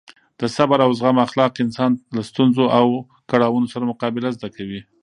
د صبر او زغم اخلاق انسان له ستونزو او کړاوونو سره مقابله زده کوي.